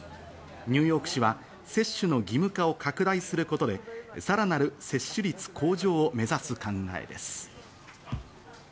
ニューヨーク市は接種の義務化を拡大することでさらなる接種率向上を目指す考えです。